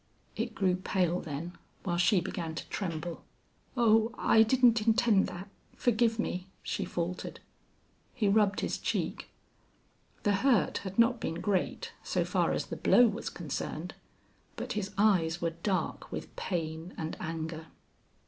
It grew pale then, while she began to tremble. "Oh I didn't intend that. Forgive me," she faltered. He rubbed his cheek. The hurt had not been great, so far as the blow was concerned. But his eyes were dark with pain and anger.